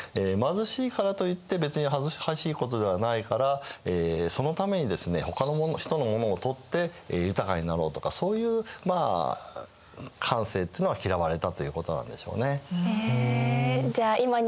貧しいからといって別に恥ずかしいことではないからそのためにですねほかの人の者を盗って豊かになろうとかそういうまあ感性っていうのは嫌われたということなんでしょうね。